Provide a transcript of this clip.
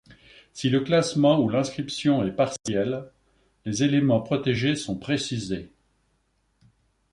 Si le classement ou l'inscription est partiel, les éléments protégés sont précisés.